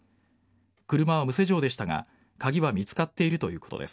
車は無施錠でしたが鍵は見つかっているということです。